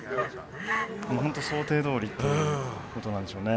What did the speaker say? ホント想定どおりということなんでしょうね。